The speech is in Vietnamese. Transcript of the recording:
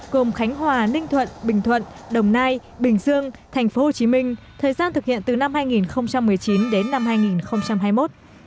gồm khánh hòa ninh thuận bình thuận đồng nai bình dương tp hcm thời gian thực hiện từ năm hai nghìn một mươi chín đến năm hai nghìn hai mươi một